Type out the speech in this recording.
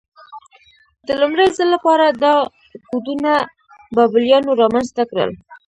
د لومړي ځل لپاره دا کوډونه بابلیانو رامنځته کړل.